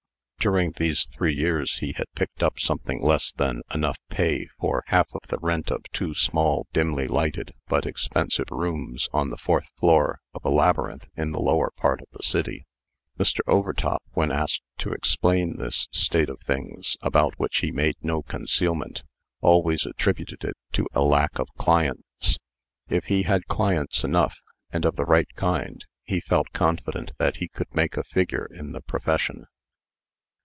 During these three years he had picked up something less than enough to pay his half of the rent of two small, dimly lighted, but expensive rooms on the fourth floor of a labyrinth in the lower part of the city. Mr. Overtop, when asked to explain this state of things, about which he made no concealment, always attributed it to a "lack of clients." If he had clients enough, and of the right kind, he felt confident that he could make a figure in the profession.